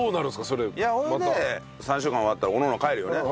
それで３週間終わったらおのおの帰るよね